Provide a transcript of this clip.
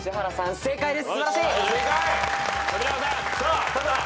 正解です！